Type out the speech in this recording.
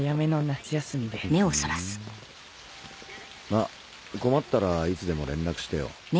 まあ困ったらいつでも連絡してよ。